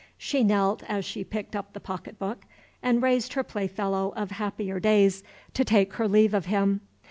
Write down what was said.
She knelt as she picked up the pocketbook, and raised her playfellow of happier days to take her leave of him.